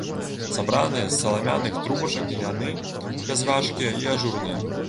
Сабраныя з саламяных трубачак, яны бязважкія і ажурныя.